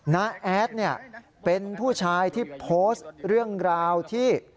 น้าแอดเนี่ยเป็นผู้ชายที่โพสต์เรื่องราวที่